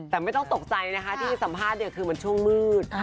แต่ไม่ต้องตกใจนะคะที่สัมภาษณ์เนี่ยคือมันช่วงมืด